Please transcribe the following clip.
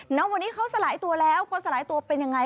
ณวันนี้เขาสลายตัวแล้วพอสลายตัวเป็นยังไง